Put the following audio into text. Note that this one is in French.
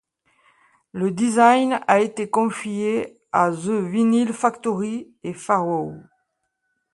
Le design a été confié à The Vinyl Factory et Farrow.